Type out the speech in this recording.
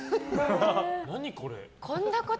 何これ。